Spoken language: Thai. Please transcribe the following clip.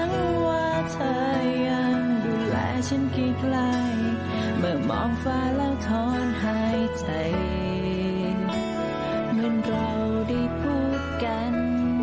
เมื่อมองฟ้าแล้วถอนหายใจเหมือนเราได้พูดกัน